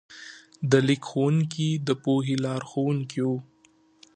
د لیک ښوونکي د پوهې لارښوونکي وو.